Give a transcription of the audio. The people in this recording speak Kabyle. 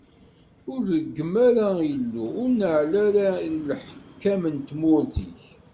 Ur reggem ara Illu, ur neɛɛel ara lḥakem n tmurt-ik.